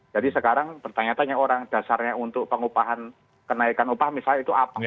jadi sekarang pertanyaan tanya orang dasarnya untuk pengupahan kenaikan upah misalnya itu apa